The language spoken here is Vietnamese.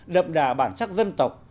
đậm đà bản sắc dân tộc